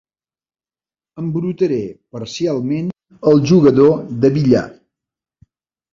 Embrutaré parcialment el jugador de billar.